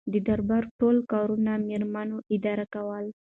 د دربار ټول کارونه میرمنو اداره کول.